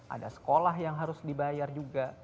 ada sekolah yang harus dibayar juga